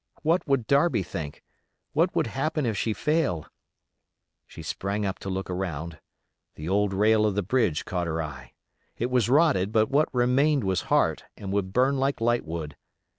What would Darby think? What would happen if she failed? She sprang up to look around: the old rail of the bridge caught her eye; it was rotted, but what remained was heart and would burn like light wood.